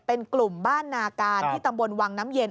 เป็นกลุ่มบ้านนาการที่ตำบลวังน้ำเย็น